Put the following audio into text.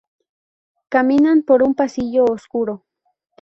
Caminan por un pasillo oscuro.